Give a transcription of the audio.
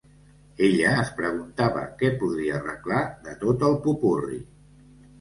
Ella es preguntava què podria arreglar de tot el popurri.